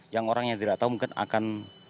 yang orang yang tidak tahu mungkin akan